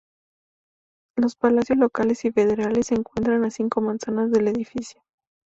Los palacios locales y federales se encuentran a cinco manzanas del edificio.